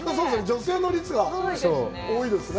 女性の率が多いですね。